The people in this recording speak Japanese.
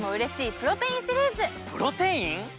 プロテイン？